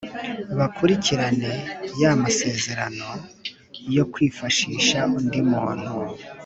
Bakurikiae ya masezerano yo kwifashisha undi muntu